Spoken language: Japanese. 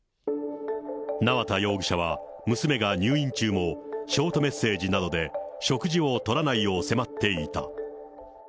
縄田容疑者は娘が入院中も、ショートメッセージなどで食事をとらないよう迫っていた。